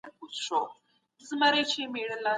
خلګ د خپلو ورځنيو لګښتونو د کمولو په لټه کي وو.